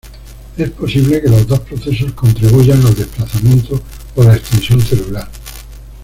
Es posible que los dos procesos contribuyan al desplazamiento o la extensión celular.